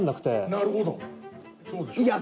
なるほど。